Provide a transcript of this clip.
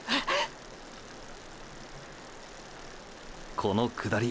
この下り